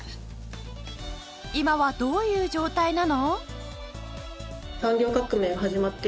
今はどういう状態なの？